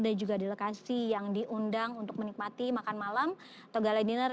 dan juga di lokasi yang diundang untuk menikmati makan malam atau gala dinner